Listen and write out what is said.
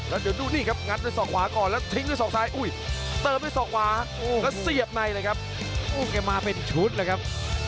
แล้วเสียบใส่กล้องมาเป็นชุดครับ